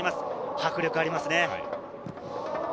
迫力ありますね。